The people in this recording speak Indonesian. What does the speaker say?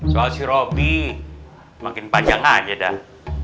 soal si robi makin panjang aja dah